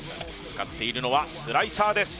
使っているのはスライサーです